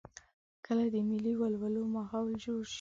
کله د ملي ولولو ماحول جوړ شي.